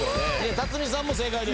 辰巳さんも正解です。